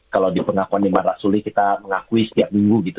kalau di pengakuan di marrak suli kita mengakui setiap minggu gitu